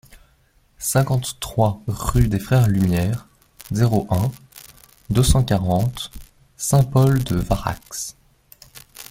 cinquante-trois rue des Frères Lumière, zéro un, deux cent quarante, Saint-Paul-de-Varax